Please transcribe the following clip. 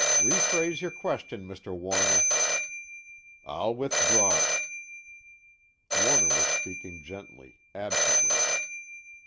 "Rephrase your question, Mr. Warner." "I'll withdraw it." Warner was speaking gently, absently.